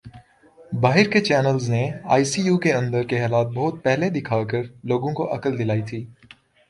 باہر کے چینلز نے آئی سی یو کے اندر کے حالات بہت پہلے دکھا کر لوگوں کو عقل دلائی تھی